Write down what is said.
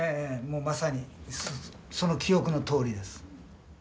もうまさにその記憶のとおりです。